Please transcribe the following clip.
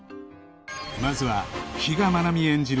まずは比嘉愛未演じる